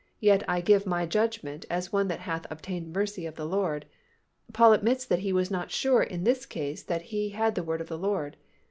yet I give my judgment as one that hath obtained mercy of the Lord," Paul admits that he was not sure in this case that he had the word of the Lord.